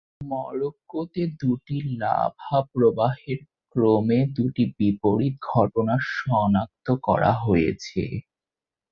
মরোক্কোতে, দুটি লাভা প্রবাহের ক্রমে দুটি বিপরীত ঘটনা সনাক্ত করা হয়েছে।